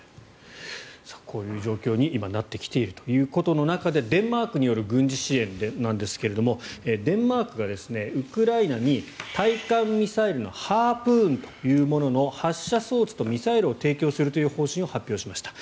こういう状況に今、なってきているということの中でデンマークによる軍事支援ですがデンマークがウクライナに対艦ミサイルのハープーンというものの発射装置とミサイルを提供するという方針を発表しました。